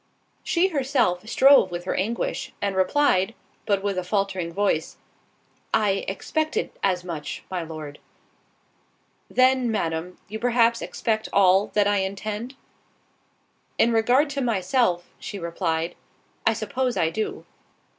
She herself strove with her anguish, and replied, (but with a faltering voice) "I expected as much, my Lord." "Then, Madam, you perhaps expect all that I intend?" "In regard to myself," she replied, "I suppose I do."